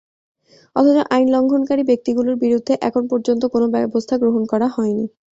অথচ আইন লঙ্ঘনকারী ব্যাংকগুলোর বিরুদ্ধে এখন পর্যন্ত কোনো ব্যবস্থা গ্রহণ করা হয়নি।